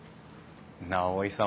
直井さん